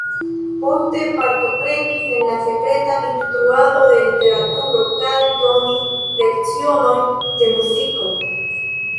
Poste partoprenis en sekreta instruado de literaturo kaj donis lecionojn de muziko.